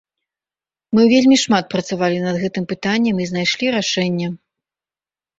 Мы вельмі шмат працавалі над гэтым пытаннем і знайшлі рашэнне.